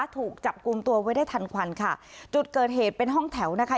ถูกจับกลุ่มตัวไว้ได้ทันควันค่ะจุดเกิดเหตุเป็นห้องแถวนะคะ